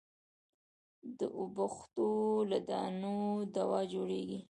د اوبښتو له دانو دوا جوړېږي.